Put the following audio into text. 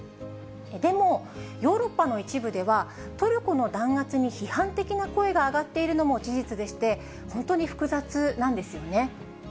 でも、ヨーロッパの一部では、トルコの弾圧に批判的な声が上がっているのも事実でして、本当に複雑なんですよね。